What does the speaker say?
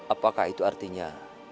apakah itu artinya